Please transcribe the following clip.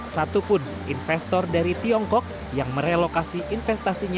satupun investor dari tiongkok yang merelokasi investasinya